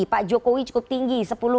pak jokowi cukup tinggi